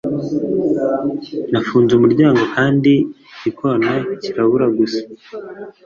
nafunze umuryango kandi igikona cyirabura gusa